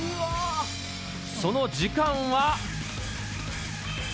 その時間は。